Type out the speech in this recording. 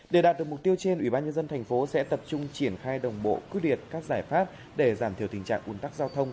để đạt được mục tiêu trên ủy ban nhân dân thành phố sẽ tập trung triển khai đồng bộ quyết liệt các giải pháp để giảm thiểu tình trạng ủn tắc giao thông